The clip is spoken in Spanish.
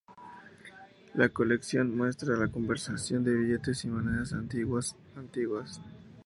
La colección muestra la conservación de billetes y monedas antiguas antiguas.